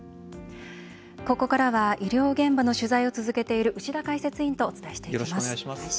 ここからは医療現場の取材を続けている牛田解説委員とお伝えします。